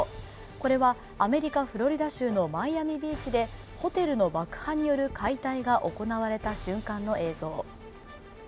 これはアメリカ・フロリダ州のマイアミビーチでホテルの爆破による解体が行われた瞬間の映像。